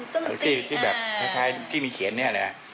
ที่มีเขียนอะไรอ่ะ